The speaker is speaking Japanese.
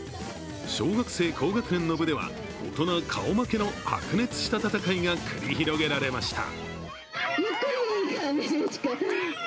小学生高学年の部では大人顔負けの白熱した戦いが繰り広げられました。